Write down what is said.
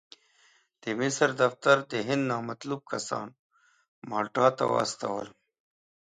د مصر دفتر د هند نامطلوب کسان مالټا ته واستول.